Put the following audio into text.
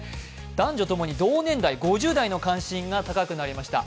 男女ともに同年代、５０代の関心が高くなりました。